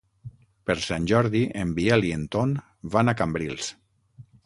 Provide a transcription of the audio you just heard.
Per Sant Jordi en Biel i en Ton van a Cambrils.